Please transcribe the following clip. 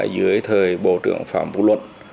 dưới thời bộ trưởng phạm vũ luận